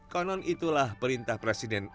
konon itulah perintah presiden